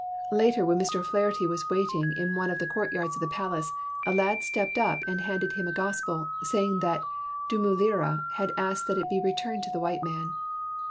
Later, when Mr. O 'Flaherty was waiting in one of the courtyards of the palace, a lad stepped up and handed to him a Gospel, saying that Dumulira had asked that it be returned to the white man.